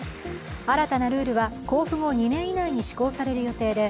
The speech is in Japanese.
新たなルールは公布後２年以内に施行される予定で